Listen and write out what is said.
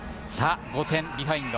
５点ビハインド。